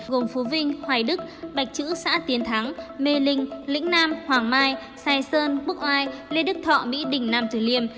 gồm phú vinh hoài đức bạch chữ xã tiến thắng mê linh lĩnh nam hoàng mai sài sơn bức oai lê đức thọ mỹ đình nam tử liêm